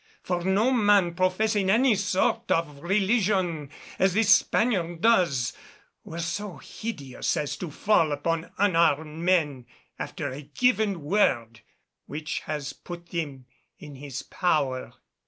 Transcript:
For no man professing any sort of religion, as this Spaniard does, were so hideous as to fall upon unarmed men after a given word which has put them in his power."